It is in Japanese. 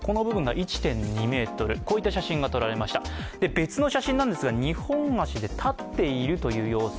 別の写真なんですが、２本足で立っているという様子。